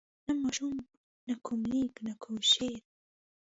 نه ماشوم نه کوم لیک نه کوم شعر.